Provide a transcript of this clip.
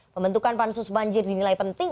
pembentukan pansus banjir dinilai penting